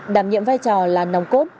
đảm nhiệm vai trò là nòng cốt